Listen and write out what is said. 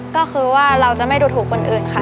ก็คือว่าเราจะไม่ดูถูกคนอื่นค่ะ